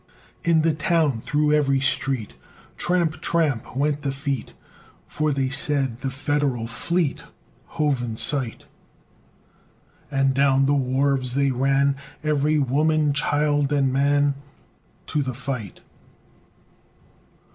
In the town, through every street, Tramp, tramp, went the feet, For they said the Federal fleet Hove in sight; And down the wharves they ran, Every woman, child, and man, To the fight.